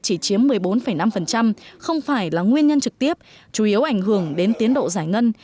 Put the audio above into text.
chỉ chiếm một mươi bốn năm không phải là nguyên nhân trực tiếp chủ yếu ảnh hưởng đến tiến độ giải ngân